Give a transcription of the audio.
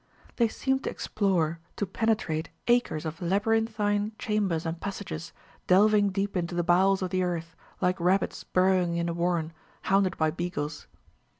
They seemed to explore, to penetrate acres of labyrinthine chambers and passages, delving deep into the bowels of the earth, like rabbits burrowing in a warren, hounded by beagles.